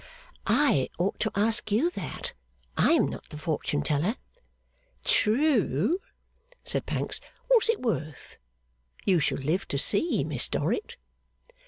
'I ought to ask you that. I am not the fortune teller.' 'True,' said Pancks. 'What's it worth? You shall live to see, Miss Dorrit.